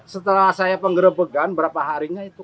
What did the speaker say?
setelah saya penggerebegan berapa harinya itu